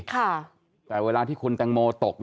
แต่เวลาที่คุณแตงโมตก